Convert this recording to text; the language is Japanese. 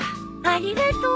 ありがとう！